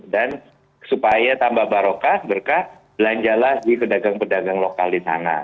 dan supaya tambah barokah berkah belanjalah di pedagang pedagang lokal di sana